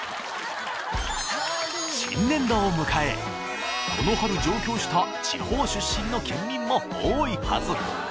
新年度を迎え、この春上京した地方出身の県民も多いはず。